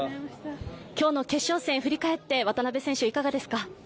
今日の決勝戦振り返っていかがですか？